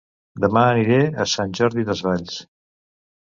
Dema aniré a Sant Jordi Desvalls